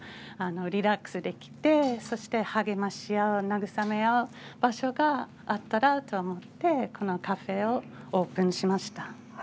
リラックスできてそして励まし合う、慰め合う場所があったらと思ってこのカフェをオープンしました。